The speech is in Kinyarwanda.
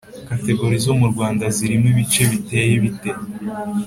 categori zo mu Rwanda zirimo ibice biteye bite?